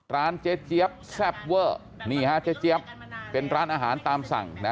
ร้านเจ๊เจี๊ยบแซ่บเวอร์นี่ฮะเจ๊เจี๊ยบเป็นร้านอาหารตามสั่งนะ